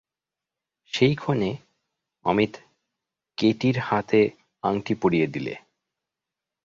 সেই ক্ষণে অমিত কেটির হাতে আংটি পরিয়ে দিলে।